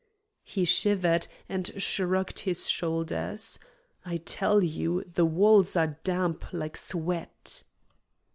He shivered, and shrugged his shoulders. "I tell you, the walls are damp, like sweat."